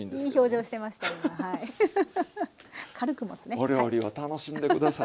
お料理を楽しんで下さい。